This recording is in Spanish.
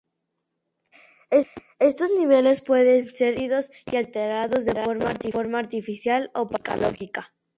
Estos niveles pueden ser inducidos y alterados de forma artificial o patológica.